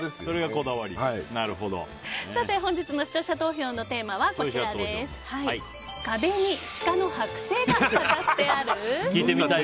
本日の視聴者投票のテーマは壁に鹿のはく製が飾ってある？